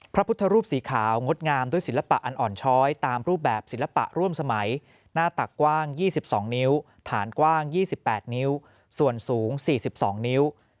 พระพุทธรูปสีขาวงดงามด้วยศิลปะอันอ่อนช้อยตามรูปแบบศิลปะร่วมสมัยหน้าตักกว้าง๒๒นิ้วฐานกว้าง๒๘นิ้วส่วนสูง๔๒นิ้ว